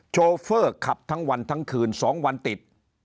โชเฟอร์ขับทั้งวันทั้งคืน๒วันติด